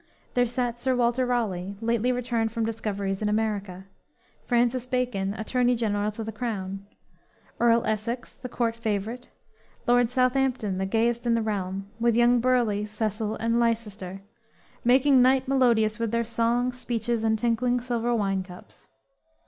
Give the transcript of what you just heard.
There sat Sir Walter Raleigh, lately returned from discoveries in America; Francis Bacon, Attorney General to the Crown; Earl Essex, the court favorite; Lord Southampton, the gayest in the realm; with young Burleigh, Cecil and Leicester, making night melodious with their songs, speeches and tinkling silver wine cups.